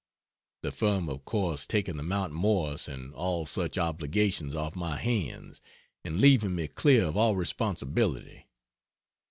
(The firm of course taking the Mount Morris and all such obligations off my hands and leaving me clear of all responsibility.)